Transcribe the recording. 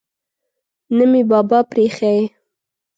نه مې بابا پریښی.